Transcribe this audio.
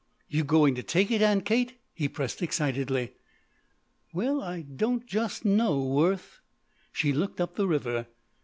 "You going to take it, Aunt Kate?" he pressed excitedly. "Well, I don't just know, Worth." She looked up the river.